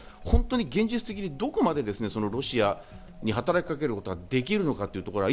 現実的にどこまでロシアに働きかけることができるのか。